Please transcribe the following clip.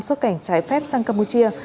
xuất cảnh trái phép sang campuchia